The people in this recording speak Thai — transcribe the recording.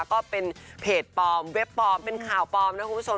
ก็เป็นเพจปลอมเว็บปลอมเป็นข่าวปลอมนะคุณผู้ชม